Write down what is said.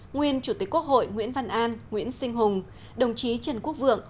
nguyên chủ tịch quốc hội nguyễn văn an nguyễn sinh hùng đồng chí trần quốc vượng